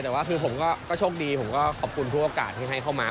แต่ว่าคือผมก็โชคดีผมก็ขอบคุณทุกโอกาสที่ให้เข้ามา